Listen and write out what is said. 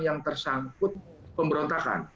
yang tersangkut pemberontakan